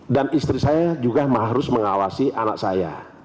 dan istri saya juga harus mengawasi anak saya